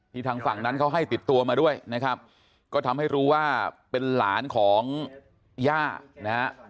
ทางฝั่งนั้นเขาให้ติดตัวมาด้วยนะครับก็ทำให้รู้ว่าเป็นหลานของย่านะฮะ